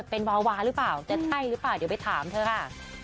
เป็นวาวาหรือเปล่าจะใช่หรือเปล่าเดี๋ยวไปถามเธอค่ะ